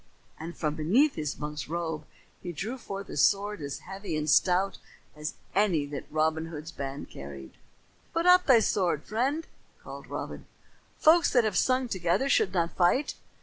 and from beneath his monk's robe he drew forth a sword as heavy and stout as any that Robin Hood's band carried. "Put up thy sword, friend," called Robin. "Folks that have sung together should not fight."